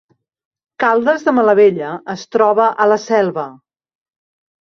Caldes de Malavella es troba a la Selva